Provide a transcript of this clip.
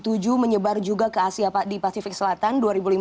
lalu dua ribu tujuh menyebar juga ke asia di pasifik selatan